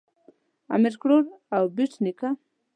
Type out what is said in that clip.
امیر کروړ او بېټ نیکه